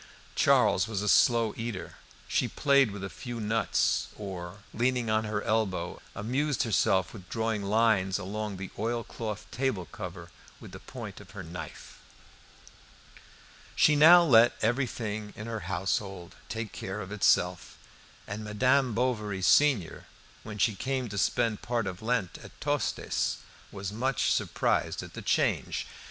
Charles was a slow eater; she played with a few nuts, or, leaning on her elbow, amused herself with drawing lines along the oilcloth table cover with the point of her knife. She now let everything in her household take care of itself, and Madame Bovary senior, when she came to spend part of Lent at Tostes, was much surprised at the change.